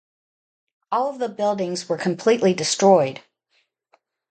All of the buildings were completely destroyed.